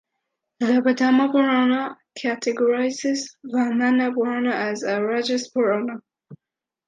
The Padma Purana categorizes Vamana Purana as a Rajas Purana.